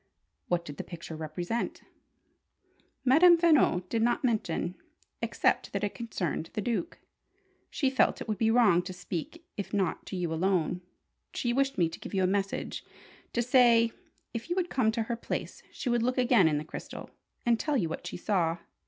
"What did the picture represent?" "Madame Veno did not mention, except that it concerned the Duke. She felt it would be wrong to speak if not to you alone. She wished me to give you a message: to say, if you would come to her place, she would look again in the crystal, and tell you what she saw.